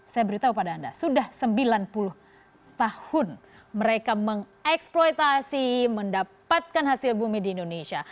saya beritahu pada anda sudah sembilan puluh tahun mereka mengeksploitasi mendapatkan hasil bumi di indonesia